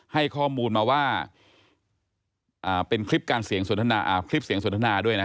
ให้ข้อมูลมาว่าเป็นคลิปการเสียงสนทนาคลิปเสียงสนทนาด้วยนะ